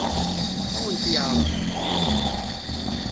Ad awen-t-yeɛṛeḍ?